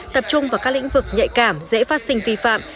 tập trung vào các lĩnh vực nhạy cảm dễ phát sinh vi phạm